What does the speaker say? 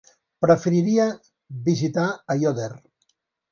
Preferiria visitar Aiòder.